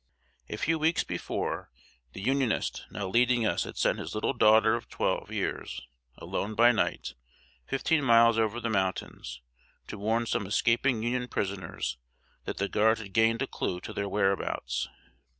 A few weeks before, the Unionist now leading us had sent his little daughter of twelve years, alone, by night, fifteen miles over the mountains, to warn some escaping Union prisoners that the Guard had gained a clue to their whereabouts.